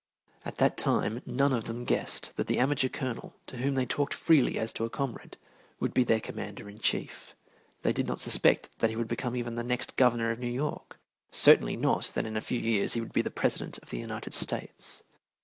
At that time none of them guessed that the "amateur colonel," to whom they talked freely as to a comrade, would be their Commander in Chief. They did not suspect that he would become even the next Governor of New York, certainly not that in a few years he would be the President of the United States.